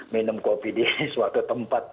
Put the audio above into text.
minum kopi di suatu tempat